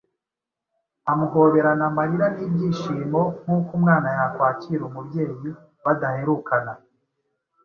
amuhoberana amarira n’ibyishimo nk’uko umwana yakwakira umubyeyi badaherukana.